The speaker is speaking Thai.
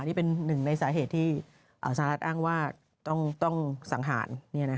นี่เป็นหนึ่งในสาเหตุที่สหรัฐอ้างว่าต้องสังหาร